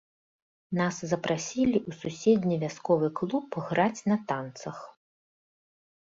Нас запрасілі ў суседні вясковы клуб граць на танцах.